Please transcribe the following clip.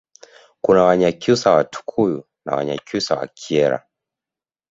Kuna Wanyakyusa wa Tukuyu na Wanyakyusa wa Kyela